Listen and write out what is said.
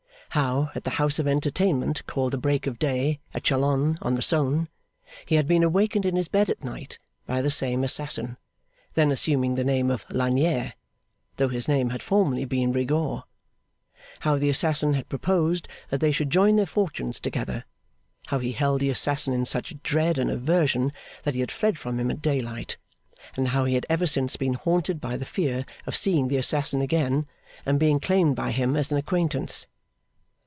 How, at the house of entertainment called the Break of Day at Chalons on the Saone, he had been awakened in his bed at night by the same assassin, then assuming the name of Lagnier, though his name had formerly been Rigaud; how the assassin had proposed that they should join their fortunes together; how he held the assassin in such dread and aversion that he had fled from him at daylight, and how he had ever since been haunted by the fear of seeing the assassin again and being claimed by him as an acquaintance.